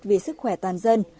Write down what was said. vì sức khỏe toàn dân